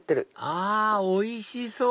あおいしそう！